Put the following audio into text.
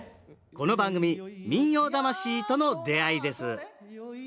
この番組「民謡魂」との出会いです。